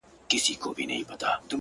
زارۍ؛